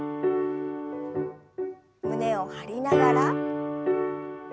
胸を張りながら。